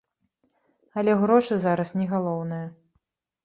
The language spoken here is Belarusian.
Але грошы зараз не галоўнае.